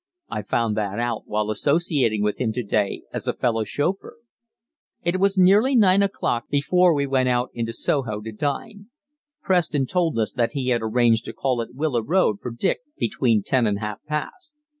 I found that out while associating with him to day as a fellow chauffeur." It was nearly nine o'clock before we went out into Soho to dine. Preston told us that he had arranged to call at Willow Road for Dick between ten and half past.